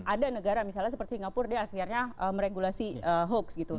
ada negara misalnya seperti singapura akhirnya meregulasi hoax